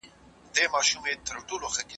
بریالی افغانستان د ټولو لپاره غوره دی.